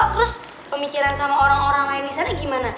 terus pemikiran sama orang orang lain disana gimana